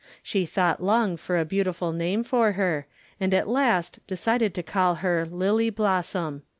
She thought long for a beautiful name for her, and at last decided to call her "Lily Blossom."